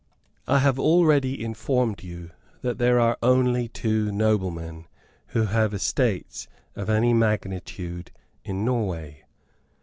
I have already informed you that there are only two noblemen who have estates of any magnitude in Norway.